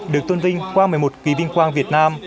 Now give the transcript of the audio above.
được tôn vinh qua một mươi một kỳ vinh quang việt nam